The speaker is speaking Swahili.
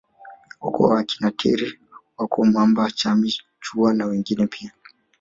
Ukoo wa akina Teri wako Mamba Chami Chuwa na wengine pia